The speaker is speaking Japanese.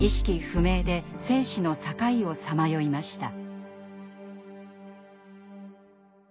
不明で生死の境をさまよいました。